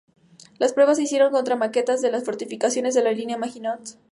Las pruebas se hicieron contra maquetas de las fortificaciones de la línea Maginot.